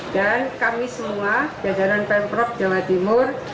dan kami semua jadaran pemprov jawa timur